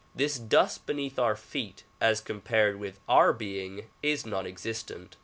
This dust beneath our feet, as compared with our being is non existent.